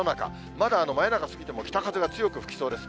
まだ真夜中過ぎても、北風は強く吹きそうです。